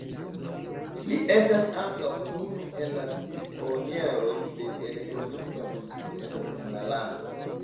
Li estas ankaŭ unu el la pioniroj de elektronika muziko en la lando.